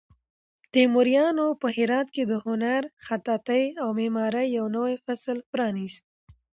تیموریانو په هرات کې د هنر، خطاطۍ او معمارۍ یو نوی فصل پرانیست.